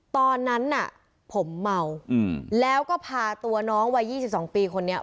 ตอนนั้นน่ะผมเมาอืมแล้วก็พาตัวน้องวัยยี่สิบสองปีคนนี้